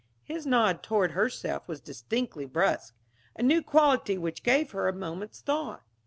His nod toward herself was distinctly brusque; a new quality which gave her a moment's thought.